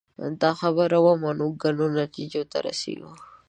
دا خبره ومنو ګڼو نتیجو ته رسېږو